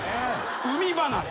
海離れ。